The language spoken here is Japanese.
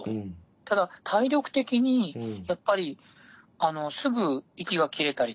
ただ体力的にやっぱりすぐ息が切れたりとか。